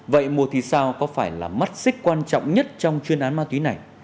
vậy mùa thì sao có phải là mắt xích quan trọng nhất trong chuyên án ma túy này